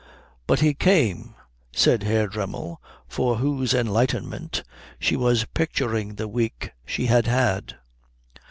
"But he came," said Herr Dremmel, for whose enlightenment she was picturing the week she had had.